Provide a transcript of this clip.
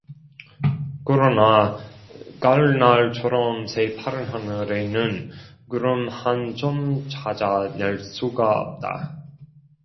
그러나 가을날처럼 새파란 하늘에는 구름 한 점 찾아 낼 수가 없다.